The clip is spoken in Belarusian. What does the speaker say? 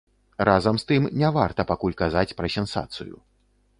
Разам з тым, не варта пакуль казаць пра сенсацыю.